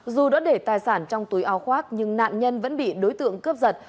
dù đã để tài sản trong túi ao khoác nhưng nạn nhân vẫn bị đối tượng cướp giật